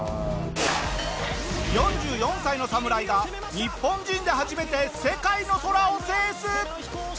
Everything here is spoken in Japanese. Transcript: ４４歳のサムライが日本人で初めて世界の空を制す！